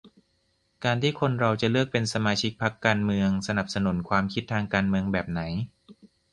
การที่คนเราจะเลือกเป็นสมาชิกพรรคการเมือง-สนับสนุนความคิดทางการเมืองแบบไหน